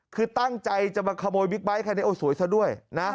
คือตั้งใจจะมาขโมยบิ๊กไบท์คันนี้โอ้สวยซะด้วยนะ